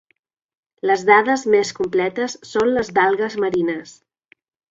Les dades més completes són les d'algues marines.